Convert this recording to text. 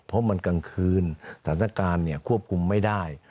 เพราะมันกลางคืนสถานการณ์เนี่ยควบคุมไม่ได้